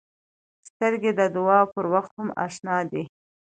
سترګې د دعا پر وخت هم اشنا دي